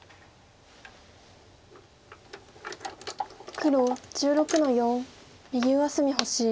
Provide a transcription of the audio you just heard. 黒１６の四右上隅星。